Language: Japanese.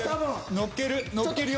のっけるのっけるよ。